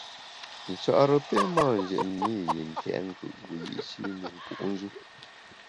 Nchare pe mâ njètne i yi ntèt nkùt wiyi’shi ne nku’njù.